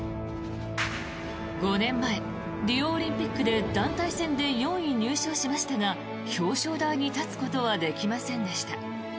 ５年前、リオオリンピック団体戦で４位入賞しましたが表彰台に立つことはできませんでした。